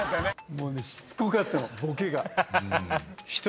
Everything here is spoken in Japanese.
もうねしつこかったのボケが。